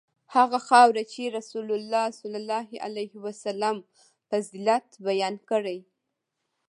هغه خاوره چې رسول الله فضیلت بیان کړی.